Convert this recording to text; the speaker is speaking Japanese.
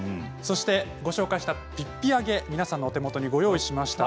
ご紹介したぴっぴ揚げ皆さんのお手元に用意しました。